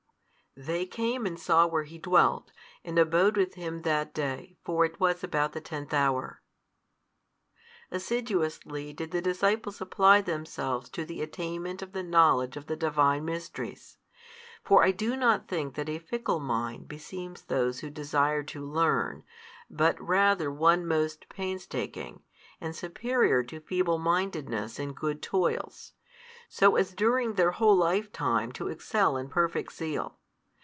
They came and saw where He dwelt, and abode with Him that day: for it was about the tenth hour. Assiduously did the disciples apply themselves to the attainment of the knowledge of the Divine Mysteries. For I do not think that a fickle mind beseems those who desire to learn, but rather one most painstaking, and superior to feeble mindedness in good toils, so as during their whole life time to excel in perfect zeal.